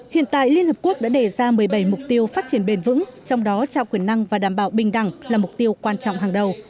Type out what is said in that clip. hiện tại liên hợp quốc đã đề ra một mươi bảy mục tiêu phát triển bền vững trong đó trao quyền năng và đảm bảo bình đẳng là mục tiêu quan trọng hàng đầu